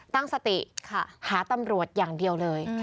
ตั้งสติหาตำรวจอย่างเดียวเลย